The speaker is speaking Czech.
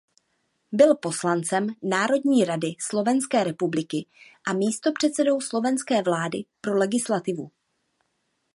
Byl poslancem Národní rady Slovenské republiky a místopředsedou slovenské vlády pro legislativu.